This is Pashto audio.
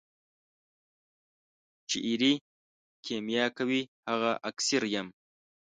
چي ایرې کېمیا کوي هغه اکسیر یم.